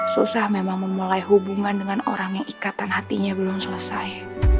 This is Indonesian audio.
susah memang memulai hubungan dengan orang yang ikatan hatinya belum selesai